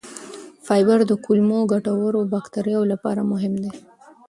فایبر د کولمو ګټورو بکتریاوو لپاره مهم دی.